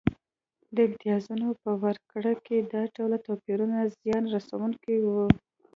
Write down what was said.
د امتیازونو په ورکړه کې دا ډول توپیرونه زیان رسونکي وو